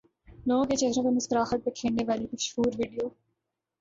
لوگوں کے چہروں پر مسکراہٹ بکھیرنے والی مشہور ویڈیو